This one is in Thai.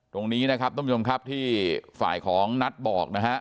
ตรงนี้นะครับท่านผู้ชมครับที่ฝ่ายของนัทบอกนะฮะ